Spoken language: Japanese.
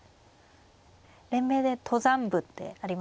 連盟で登山部ってありますもんね。